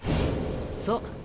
そう。